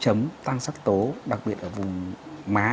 chấm tăng sắc tố đặc biệt là vùng má